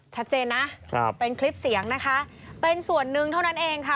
ชัดเจนนะครับเป็นคลิปเสียงนะคะเป็นส่วนหนึ่งเท่านั้นเองค่ะ